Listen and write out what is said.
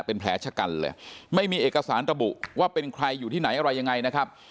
เป็นแผลชะกันเลยไม่มีเอกสารระบุว่าเป็นใครอยู่ที่ไหนอะไรยังไงนะครับ